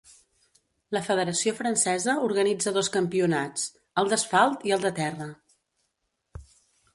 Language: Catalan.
La Federació Francesa organitza dos campionats: el d'Asfalt i el de Terra.